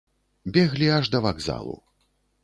Беглі аж да вакзалу.